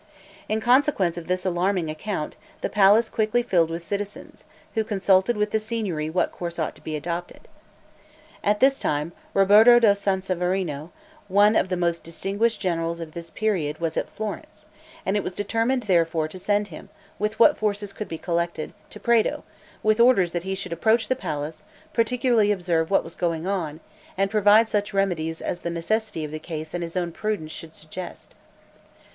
In consequence of this alarming account, the palace as quickly filled with citizens, who consulted with the Signory what course ought to be adopted. At this time, Roberto da San Severino, one of the most distinguished generals of this period, was at Florence, and it was therefore determined to send him, with what forces could be collected, to Prato, with orders that he should approach the place, particularly observe what was going on, and provide such remedies as the necessity of the case and his own prudence should suggest.